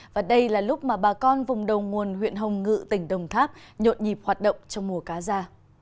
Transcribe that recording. và đây là lúc mà bà con vùng đầu nguồn huyện hồng ngự tỉnh đồng tháp nhộn nhịp hoạt động trong mùa cá ra